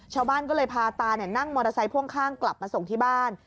ชาวบ้านก็เลยพาตานั่งมอเตอร์ไซค์พ่วงข้างกลับมาส่งที่บ้าน